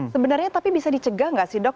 sebenarnya tapi bisa dicegah nggak sih dok